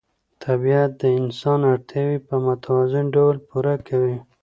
طبیعت د انسان اړتیاوې په متوازن ډول پوره کوي